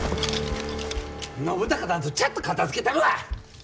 信孝なんぞちゃっと片づけたるわ！